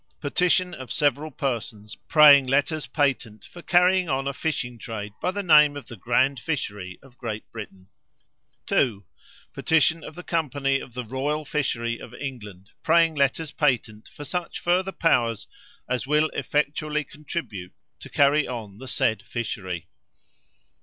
Petition of several persons, praying letters patent for carrying on a fishing trade by the name of the Grand Fishery of Great Britain. "2. Petition of the Company of the Royal Fishery of England, praying letters patent for such further powers as will effectually contribute to carry on the said fishery.